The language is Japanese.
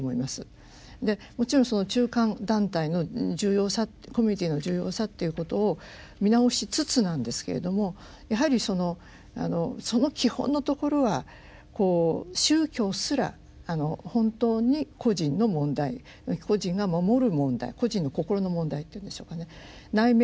でもちろん中間団体の重要さコミュニティーの重要さっていうことを見直しつつなんですけれどもやはりその基本のところは宗教すら本当に個人の問題個人が守る問題個人の心の問題というんでしょうかね